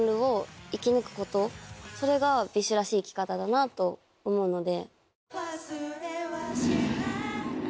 それがＢｉＳＨらしい生き方だなと思うので。